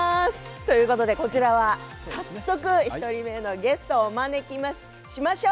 こちらは早速１人目のゲストをお招きしましょう。